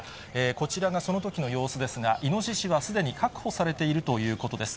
こちらがそのときの様子ですが、イノシシはすでに確保されているということです。